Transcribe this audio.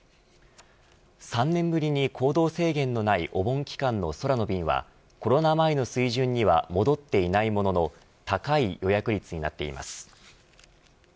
３年ぶりに行動制限のないお盆期間の空の便はコロナ前の水準には戻っていないものの高い予約率になっています。